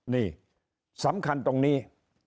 นี่สำคัญตรงนี้